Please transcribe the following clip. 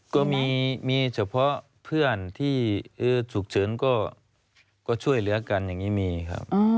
ก็มีเฉพาะเพื่อนที่ฉุกเฉินก็ช่วยเหลือกันอย่างนี้มีครับ